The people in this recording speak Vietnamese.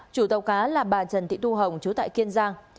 chủ tàu cá là bà trần thị thu hồng chú tại kiên giang